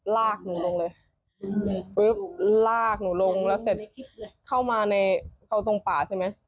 แล้วเข้ามาในเข้าตรงป่าใช่ไหม